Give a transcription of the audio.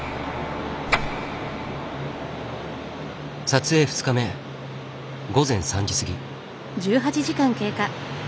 撮影２日目午前３時過ぎ。